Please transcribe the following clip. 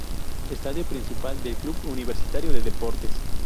Estadio Principal del Club Universitario de Deportes.